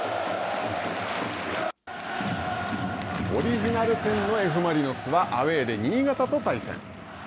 オリジナル１０のＦ・マリノスはアウェーで新潟と対戦。